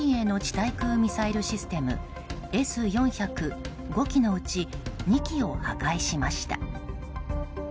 対空ミサイルシステムＳ４００、５基のうち２基を破壊しました。